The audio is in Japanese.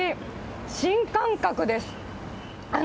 新感覚です。